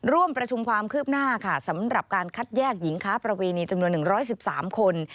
ร่วมประชุมความคืบหน้าค่ะสำหรับการคัดแยกหญิงค้าประเวณีจำนวน๑๑๓คน